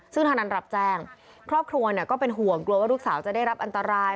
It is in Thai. ซึ่งทางนั้นรับแจ้งครอบครัวก็เป็นห่วงกลัวว่าลูกสาวจะได้รับอันตราย